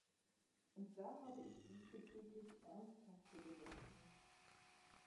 Und da habe ich diesbezüglich ernsthafte Bedenken.